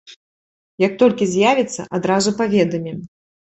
Як толькі з'явіцца, адразу паведамім.